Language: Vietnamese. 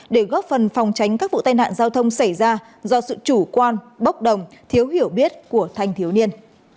để góp phần phòng tránh các vụ tai nạn giao thông xảy ra do sự chủ quan bốc đồng thiếu hiểu biết của thanh thiếu niên